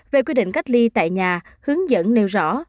về quy định cách ly tại nhà hướng dẫn nêu rõ